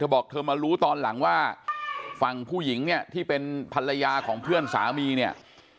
บอกเธอมารู้ตอนหลังว่าฝั่งผู้หญิงเนี่ยที่เป็นภรรยาของเพื่อนสามีเนี่ย